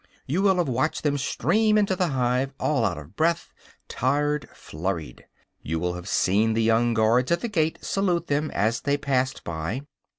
You will have watched them stream into the hive, all out of breath, tired, flurried; you will have seen the young guards at the gate salute them as they passed by.